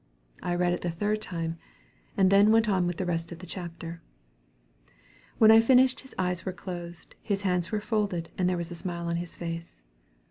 I read it the third time, and then went on with the rest of the chapter. When I finished his eyes were closed, his hands were folded, and there was a smile on his face.